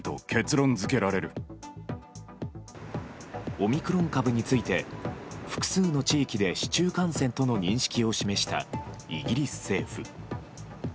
オミクロン株について複数の地域で市中感染との認識を示したイギリス政府。